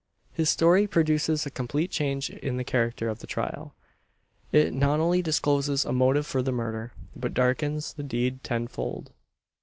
His story produces a complete change in the character of the trial. It not only discloses a motive for the murder, but darkens the deed tenfold.